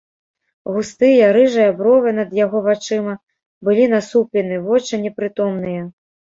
Густыя рыжыя бровы над яго вачыма былі насуплены, вочы непрытомныя.